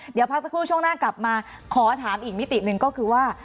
เดี๋ยวพักสักครู่ช่วงหน้ากลับมาขอถามอีกมิติหนึ่งก็คือว่า